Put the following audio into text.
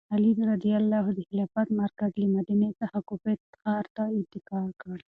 علي رض د خلافت مرکز له مدینې څخه کوفې ښار ته انتقال کړ.